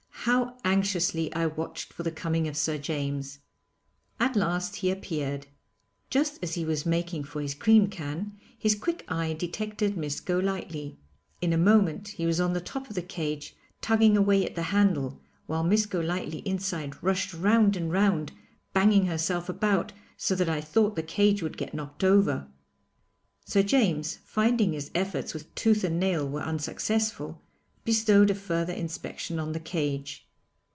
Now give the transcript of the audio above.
How anxiously I watched for the coming of Sir James! At last he appeared. Just as he was making for his cream can, his quick eye detected Miss Golightly. In a moment he was on the top of the cage tugging away at the handle, while Miss Golightly inside rushed round and round, banging herself about so that I thought the cage would get knocked over. Sir James, finding his efforts with tooth and nail were unsuccessful, bestowed a further inspection on the cage.